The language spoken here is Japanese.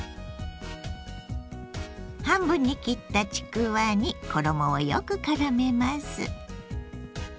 半分に切ったちくわに衣をよくからめます。